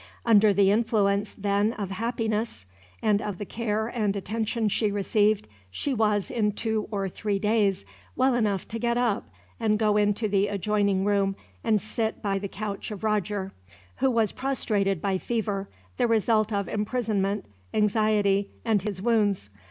Under the influence, then, of happiness; and of the care and attention she received; she was, in two or three days, well enough to get up and go into the adjoining room, and sit by the couch of Roger; who was prostrated by fever, the result of imprisonment, anxiety, and his wounds.